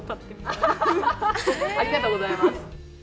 ありがとうございます。